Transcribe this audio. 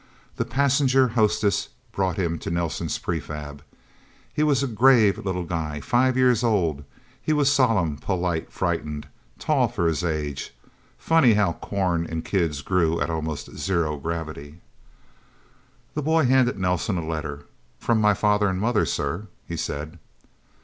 The passenger hostess brought him to Nelsen's prefab. He was a grave little guy, five years old. He was solemn, polite, frightened, tall for his age funny how corn and kids grew at almost zero gravity. The boy handed Nelsen a letter. "From my father and mother, sir," he said.